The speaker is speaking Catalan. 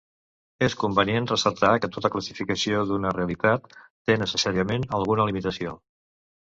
És convenient ressaltar que tota classificació d'una realitat, té necessàriament alguna limitació.